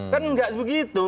kan nggak begitu gitu loh